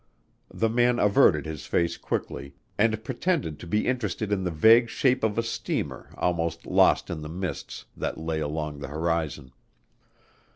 The man averted his face quickly and pretended to be interested in the vague shape of a steamer almost lost in the mists that lay along the horizon.